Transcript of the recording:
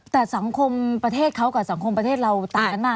แต่สังคมประเทศเขากับสังคมประเทศเราต่างกันมาก